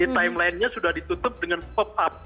timelinenya sudah ditutup dengan pop up